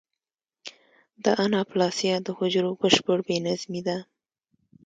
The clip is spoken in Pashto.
د اناپلاسیا د حجرو بشپړ بې نظمي ده.